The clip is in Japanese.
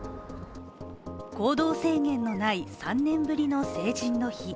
行動制限のない３年ぶりの成人の日。